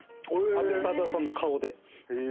阿部サダヲさんの顔で。